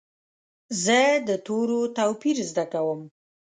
زه د تورو توپیر زده کوم.